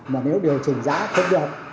mà nếu điều chỉnh giá không được